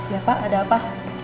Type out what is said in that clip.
ya pak ada apa